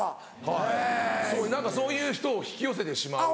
はい何かそういう人を引き寄せてしまう。